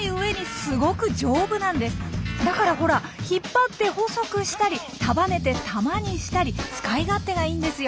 だからほら引っ張って細くしたり束ねて玉にしたり使い勝手がいいんですよ。